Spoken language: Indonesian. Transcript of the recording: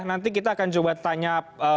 nanti kita akan coba tanya